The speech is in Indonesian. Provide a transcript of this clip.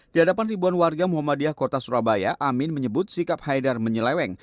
di hadapan ribuan warga muhammadiyah kota surabaya amin menyebut sikap haidar menyeleweng